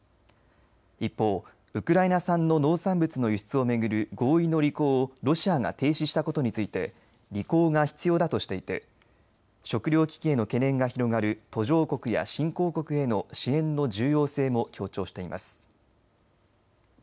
一方、ウクライナ産の農産物の輸出を巡る合意の履行をロシアが停止したことについて履行が必要だとしていて食料危機への懸念が広がる途上国や新興国への支援の重要性も強調しています。